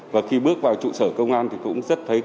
và khi bước vào trụ sở công an thì cũng rất thấy